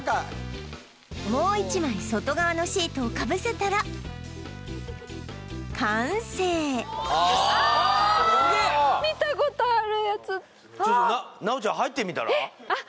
もう１枚外側のシートをかぶせたら完成見たことあるやつ奈緒ちゃん入ってみたら？